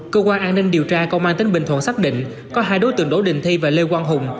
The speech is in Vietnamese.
cơ quan an ninh điều tra công an tỉnh bình thuận xác định có hai đối tượng đỗ đình thi và lê quang hùng